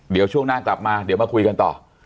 เดี๋ยวช่วงหน้ากลับมาเดี๋ยวมาคุยกันต่อ